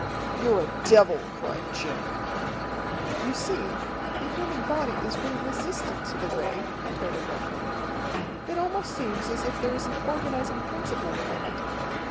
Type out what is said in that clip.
"You're a devil!" cried Jim. "You see, the human body is very resistant to the Ray," Tode went on. "It almost seems as if there is an organizing principle within it.